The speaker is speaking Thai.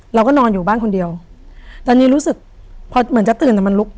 เราก็นอนอยู่บ้านคนเดียวตอนนี้รู้สึกพอเหมือนจะตื่นแต่มันลุก